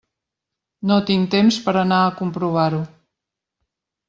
No tinc temps per a anar a comprovar-ho.